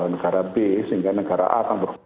negara b sehingga negara a akan berpikir bahwa